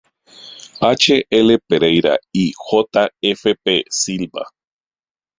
H. L. Pereira y J. F. P. Silva.